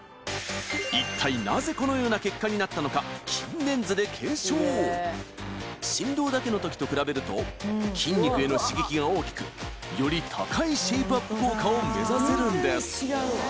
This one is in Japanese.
一体なぜこのような結果になったのか筋電図で検証振動だけの時と比べると筋肉への刺激が大きくより高いシェイプアップ効果を目指せるんです